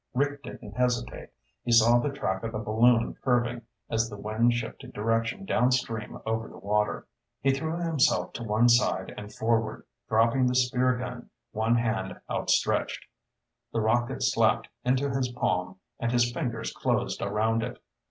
Rick didn't hesitate. He saw the track of the balloon curving, as the wind shifted direction downstream over the water. He threw himself to one side and forward, dropping the spear gun, one hand outstretched. The rocket slapped into his palm and his fingers closed around it.